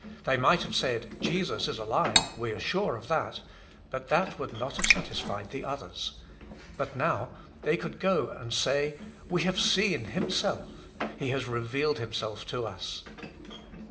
They might have said, «< Jesus is alive. We are sure of that, " but that would not have satisfied the others. But they could now go and say, '' Tme bave eeen l)fm0elt* He has revealed Himself to us."